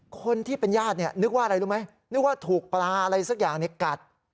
คนที่เป็นญาตินึกว่าอะไรรู้ไหมนึกว่าถูกปลาอะไรสักอย่างกัด